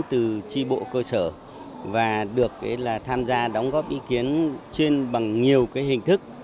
từ tri bộ cơ sở và được tham gia đóng góp ý kiến trên bằng nhiều hình thức